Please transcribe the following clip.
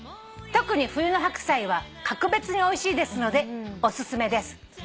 「特に冬の白菜は格別においしいですのでお勧めです。